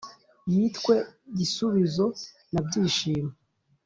yitwe gisubizo na byishimo